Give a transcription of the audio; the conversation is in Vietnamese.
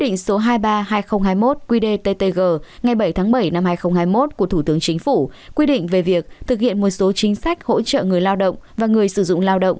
năm hai nghìn hai mươi một của thủ tướng chính phủ quy định về việc thực hiện một số chính sách hỗ trợ người lao động và người sử dụng lao động